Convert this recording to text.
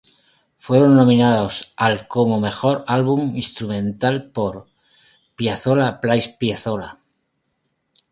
Fueron nominados al como mejor álbum instrumental por "Piazzolla plays Piazzolla".